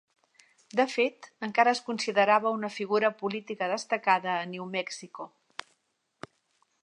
De fet, encara es considerava una figura política destacada a New Mexico.